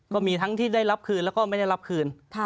ก็มีทั้งที่ได้รับคืนแล้วก็ไม่ได้รับคืน